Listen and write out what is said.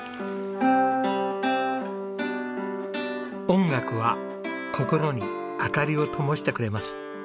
音楽は心に明かりをともしてくれます。